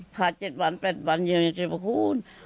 ผ่าน๗วัน๘วันอย่างนี้พวกคุณ